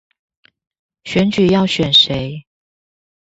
選舉要選誰